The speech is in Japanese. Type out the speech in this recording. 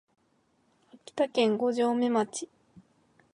秋田県五城目町